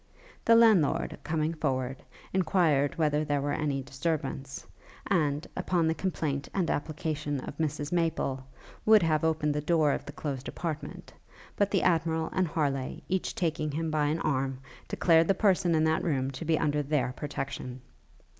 The landlord, coming forward, enquired whether there were any disturbance; and, upon the complaint and application of Mrs Maple, would have opened the door of the closed apartment; but the Admiral and Harleigh, each taking him by an arm, declared the person in that room to be under their protection.